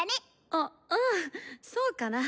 あうんそうかな？